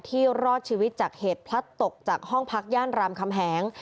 รอดชีวิตจากเหตุพลัดตกจากห้องพักย่านรามคำแหง